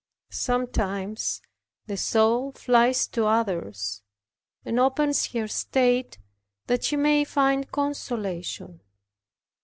Sometimes the soul flies to others, and opens her state that she may find consolation.